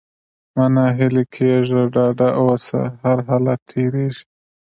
مه ناهيلی کېږه! ډاډه اوسه! هرحالت تېرېږي.